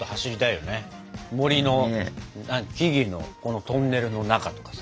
森の木々のトンネルの中とかさ。